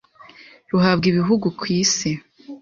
ruhabwa ibihugu ku isi